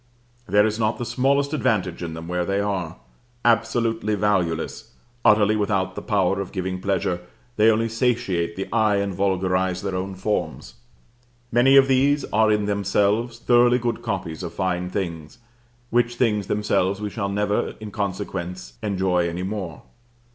There is not the smallest advantage in them where they are. Absolutely valueless utterly without the power of giving pleasure, they only satiate the eye, and vulgarise their own forms. Many of these are in themselves thoroughly good copies of fine things, which things themselves we shall never, in consequence, enjoy any more.